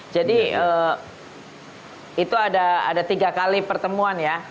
jadi itu ada tiga kali pertemuan ya